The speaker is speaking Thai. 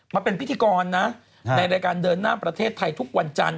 มาเป็นพิธีกรนะในรายการเดินหน้าประเทศไทยทุกวันจันทร์